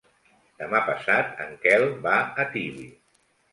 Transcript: Demà passat en Quel va a Tibi.